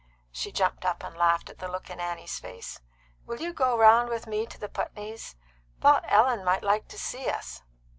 She jumped up and laughed at the look in Annie's face. "Will you go round with me to the Putneys? thought Ellen might like to see us."